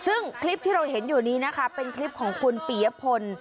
ซึ่งคลิปที่เราเห็นอยู่นี้นะคะเป็นคลิปของคุณปียพล